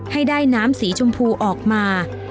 ให้ได้น้ำสีชมพูออกมา